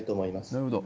なるほど。